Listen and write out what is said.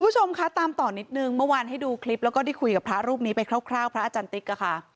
คุณผู้ชมคะตามต่อนิดนึงเมื่อวานให้ดูคลิปแล้วก็ได้คุยกับพระรูปนี้ไปคร่าวพระอาจารย์ติ๊กอะค่ะ